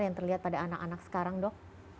yang terlihat pada anak anak sekarang dok